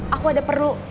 aku ada perlu